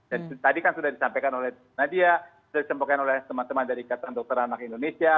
dan tadi kan sudah disampaikan oleh nadia sudah disampaikan oleh teman teman dari ketan dokter anak indonesia